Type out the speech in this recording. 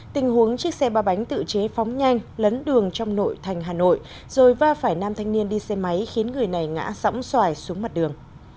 tình huống chiếc xe ba bánh tự chế phóng nhanh lấn đường trong nội thành hà nội rồi va phải nam thanh niên đi xe máy khiến người này ngã sỏng xoài xuống mặt đường